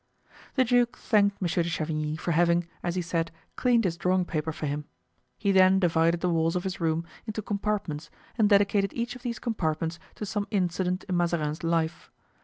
The duke thanked Monsieur de Chavigny for having, as he said, cleaned his drawing paper for him; he then divided the walls of his room into compartments and dedicated each of these compartments to some incident in Mazarin's life.